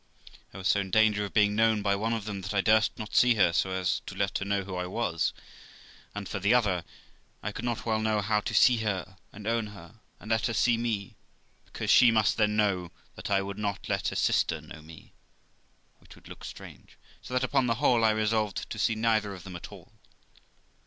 I was so in danger of being known by one of them, that I durst not see her, so as to let her know who I was; and for the other, I could not well know how to see her, and own her, and let her see me, because she must then know that I would not let her sister know me, which would look strange ; so that, upon the whole, I resolved to see neither of them at all.